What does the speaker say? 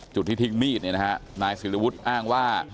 จุดที่ทิ้งมีดนี่นะฮะนายสิริวุฒิอ้างว่า